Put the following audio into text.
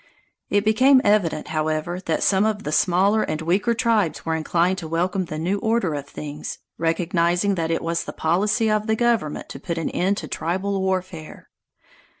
It became evident, however, that some of the smaller and weaker tribes were inclined to welcome the new order of things, recognizing that it was the policy of the government to put an end to tribal warfare.